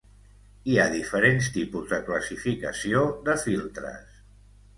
Hi ha diferents tipus de classificació de filtres.